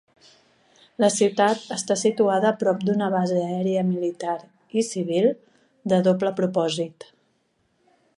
La ciutat està situada prop d'una base aèria militar i civil de doble propòsit.